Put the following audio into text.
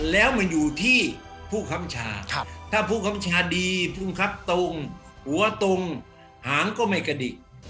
แล้วมันอยู่ที่ผู้ค้ำชาถ้าผู้คำชาดีภูมิครับตรงหัวตรงหางก็ไม่กระดิก